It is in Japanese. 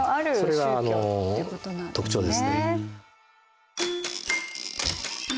それが特徴ですね。